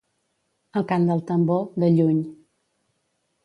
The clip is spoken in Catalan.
El cant del tambor, de lluny.